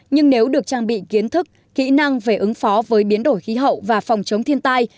nhưng nếu được trang bị kiến thức kỹ năng về ứng phó với biến đổi khí hậu và phòng chống thiên tai